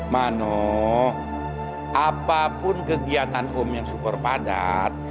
mano apapun kegiatan om yang super padat